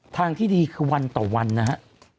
ทางที่ดีคือวันต่อวันนะฮะ